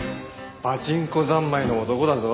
パチンコざんまいの男だぞ。